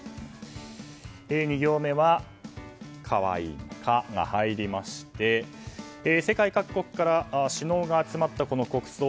２行目は可愛いの「カ」が入りまして、世界各国から首脳が集まったこの国葬